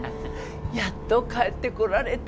やっと帰ってこられた。